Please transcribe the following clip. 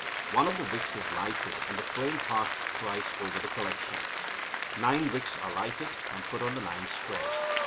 One of the wicks is lighted, and the flame passed thrice over the collection. Nine wicks are lighted, and put on the nine squares.